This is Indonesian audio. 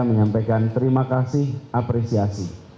menyampaikan terima kasih apresiasi